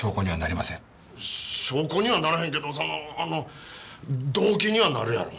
証拠にはならへんけどそのあの動機にはなるやろ。